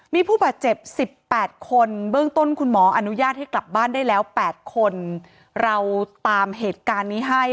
มีผู้บาดเจ็บ๑๘คนเบื้องต้นคุณหมออนุญาตให้กลับบ้านได้แล้ว๘คนเราตามเหตุการณ์นี้ให้